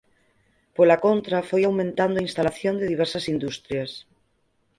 Pola contra foi aumentando a instalación de diversas industrias.